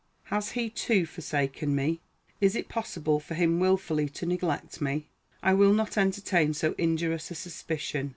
Has he, too, forsaken me? Is it possible for him wilfully to neglect me? I will not entertain so injurious a suspicion.